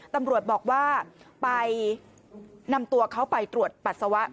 ตำรวจบอกว่าไปนำตัวเขาไปตรวจปัสสาวะ